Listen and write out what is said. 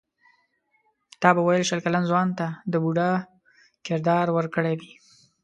تا به ویل شل کلن ځوان ته د بوډا کردار ورکړی وي.